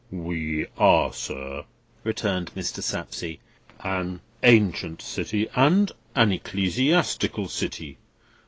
"We are, sir," returned Mr. Sapsea, "an ancient city, and an ecclesiastical city.